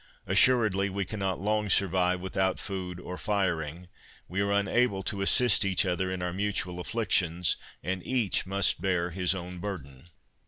Assuredly we cannot long survive without food or firing; we are unable to assist each other in our mutual afflictions, and each must bear his own burden."